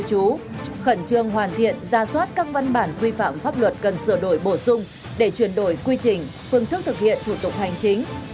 chủ khẩn trương hoàn thiện ra soát các văn bản quy phạm pháp luật cần sửa đổi bổ sung để chuyển đổi quy trình phương thức thực hiện thủ tục hành chính